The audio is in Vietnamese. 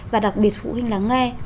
và đặc biệt phụ huynh lắng nghe